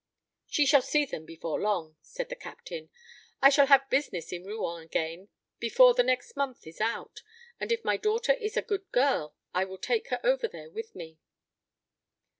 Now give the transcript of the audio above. "She shall see them before long," said the Captain; "I shall have business in Rouen again before the next month is out; and if my daughter is a good girl, I will take her over there with me."